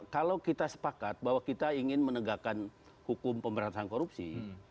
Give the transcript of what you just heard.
kalau kita sepakat bahwa kita ingin menegakkan hukum pemberantasan korupsi